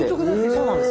そうなんです。